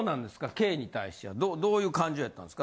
Ｋに対してはどういう感情やったんですか？